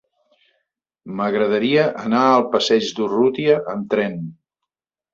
M'agradaria anar al passeig d'Urrutia amb tren.